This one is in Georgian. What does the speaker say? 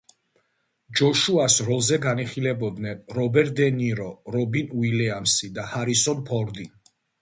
ჯოშუას როლზე განიხილებოდნენ რობერტ დე ნირო, რობინ უილიამსი და ჰარისონ ფორდი.